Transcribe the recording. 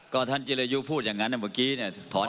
ก็ท่านจิลือยูพูดโดยอย่างนั้นเมื่อกี้เนี่ยถอนครับ